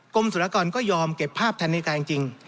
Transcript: สุรกรก็ยอมเก็บภาพทันนาฬิกาจริง